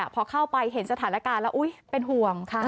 พอเข้าไปเห็นสถานการณ์แล้วอุ๊ยเป็นห่วง